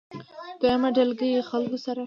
دويمه ډلګۍ خلکو سره